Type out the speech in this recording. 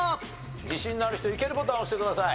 自信のある人イケるボタンを押してください。